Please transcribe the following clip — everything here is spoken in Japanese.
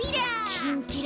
キンキラ！